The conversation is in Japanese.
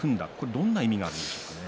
どんな意味があるんでしょうね。